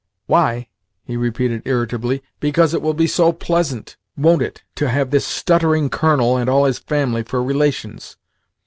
"Why?" he repeated irritably. "Because it will be so pleasant, won't it, to have this stuttering 'colonel' and all his family for relations!